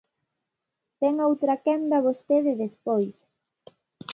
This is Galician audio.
Ten outra quenda vostede despois.